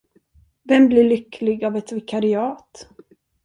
Vem blir lycklig av ett vikariat?